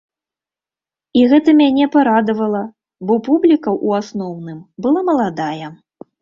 І гэта мяне парадавала, бо публіка ў асноўным была маладая.